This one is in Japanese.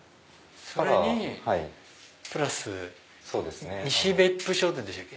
それにプラス西別府商店でしたっけ。